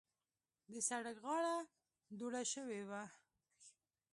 د سړک غاړه دوړه شوې وه.